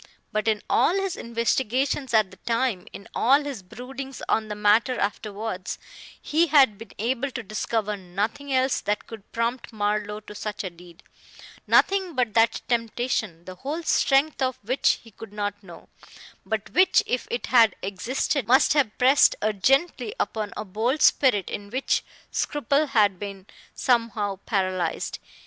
But in all his investigations at the time, in all his broodings on the matter afterwards, he had been able to discover nothing else that could prompt Marlowe to such a deed nothing but that temptation, the whole strength of which he could not know, but which if it had existed must have pressed urgently upon a bold spirit in which scruple had been somehow paralyzed.